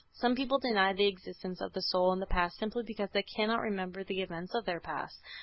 Some people deny the existence of the soul in the past simply because they cannot remember the events of their past.